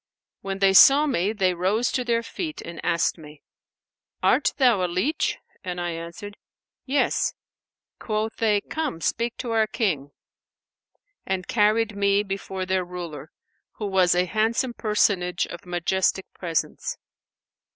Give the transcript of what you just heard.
When they saw me, they rose to their feet and asked me, 'Art thou a leach?'; and I answered, 'Yes.' Quoth they, 'Come speak to our King,' and carried me before their ruler, who was a handsome personage of majestic presence.